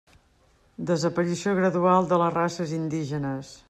Desaparició gradual de les races indígenes.